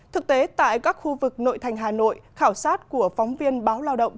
thực tế tại các khu vực nội thành hà nội khảo sát của phóng viên báo lao động